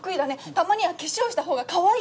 「たまには化粧した方がかわいいよ」